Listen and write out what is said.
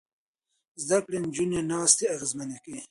زده کړې نجونې ناستې اغېزمنې کوي.